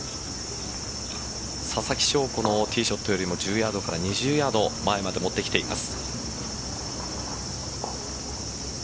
ささきしょうこのティーショットよりも１０ヤードから２０ヤード前まで持ってきています。